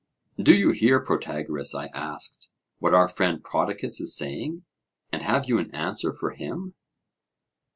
Do you hear, Protagoras, I asked, what our friend Prodicus is saying? And have you an answer for him?